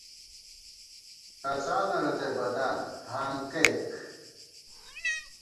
ݭڅانہ رتئ بَدان (ہانکَئیک)